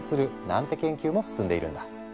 なんて研究も進んでいるんだ。